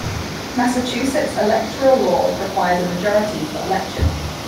Massachusetts' electoral law required a majority for election.